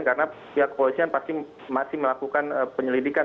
karena pihak kepolisian pasti masih melakukan penyelidikan